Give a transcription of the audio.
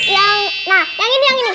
yang nah yang ini yang ini